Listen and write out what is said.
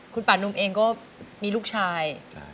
คุณป่านุ่มเองก็มีลูกชาย